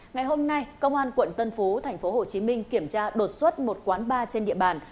ngày hôm nay công an quận tân phú tp hcm kiểm tra đột xuất một quán bar trên địa bàn